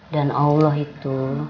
dan allah itu